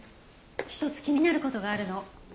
一つ気になる事があるの。